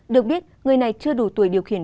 được biết người này chưa đủ tuổi điều khiển